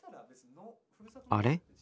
あれ？